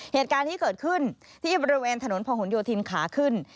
เหตุการณ์ที่เกิดขึ้นที่บริเวณถนนพหนโยธินขาขึ้น